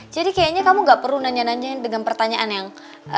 jadi kayaknya kamu gak perlu nanya nanya dengan pertanyaan yang